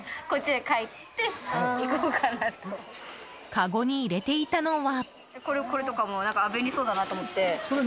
かごに入れていたのは。